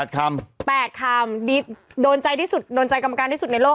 ๘คำโดนใจที่สุดโดนใจกรรมการที่สุดในโลก